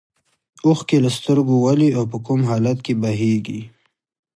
اوښکې له سترګو ولې او په کوم حالت کې بهیږي.